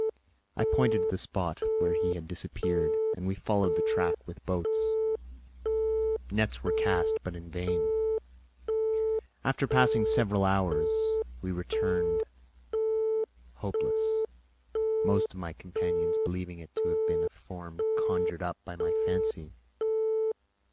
I pointed to the spot where he had disappeared, and we followed the track with boats; nets were cast, but in vain. After passing several hours, we returned hopeless, most of my companions believing it to have been a form conjured up by my fancy.